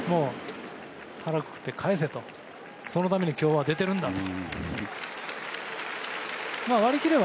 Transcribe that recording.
腹をくくってかえせとそのために今日は出てるんだと。